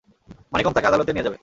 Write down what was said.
মানিকম তাকে আদালতে নিয়ে যাবে।